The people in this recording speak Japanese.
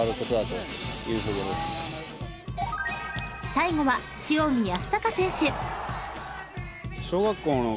［最後は塩見泰隆選手］